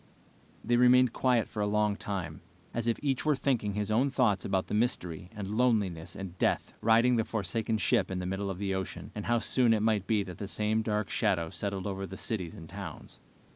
They remained quiet for a long time, as if each were thinking his own thoughts about the mystery and loneliness and death riding the forsaken ship in the middle of the ocean, and how soon it might be that the same dark shadow settled over the cities and towns.